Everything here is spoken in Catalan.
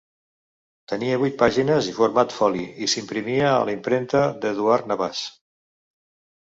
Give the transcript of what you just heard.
Tenia vuit pàgines i format foli i s'imprimia a la Impremta d'Eduard Navàs.